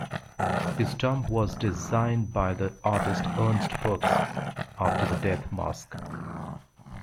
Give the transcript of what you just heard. His tomb was designed by the artist Ernst Fuchs after the death mask.